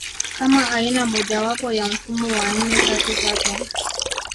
kama aina mojawapo ya mfumo wa nne tatu tatu